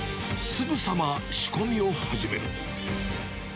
すぐさま、仕込みを始める。